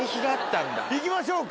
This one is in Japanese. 行きましょうか。